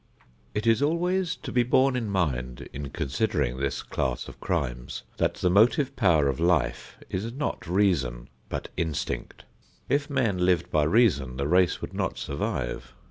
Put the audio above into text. It is always to be borne in mind in considering this class of crimes that the motive power of life is not reason but instinct. If men lived by reason the race would not survive.